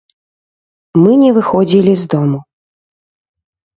Мы не выходзілі з дому.